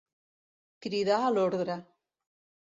Cridar a l'ordre.